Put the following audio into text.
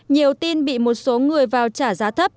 nhiều tin bị một số người vào trả giá thấp